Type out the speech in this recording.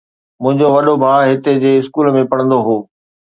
منهنجو وڏو ڀاءُ هتي جي اسڪول ۾ پڙهندو هو.